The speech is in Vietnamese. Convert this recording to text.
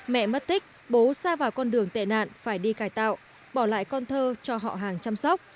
mẹ mất tích bố xa vào con đường tệ nạn phải đi cải tạo bỏ lại con thơ cho họ hàng chăm sóc